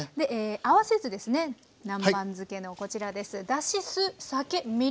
合わせ酢ですね南蛮漬けのこちらです。